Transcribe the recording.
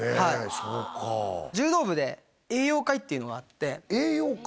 そうか柔道部で「栄養会」っていうのがあって「栄養会」？